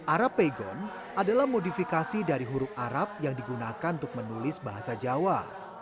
arapegon adalah modifikasi dari huruf arab yang digunakan untuk menulis bahasa jawa